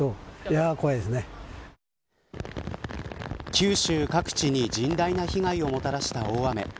九州各地に甚大な被害をもたらした大雨。